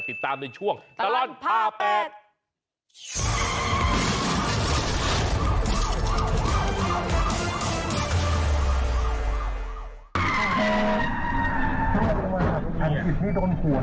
ติดตามในช่วงตลอดผ่าแปลก